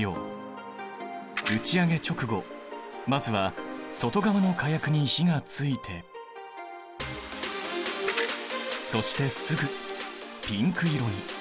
打ち上げ直後まずは外側の火薬に火がついてそしてすぐピンク色に。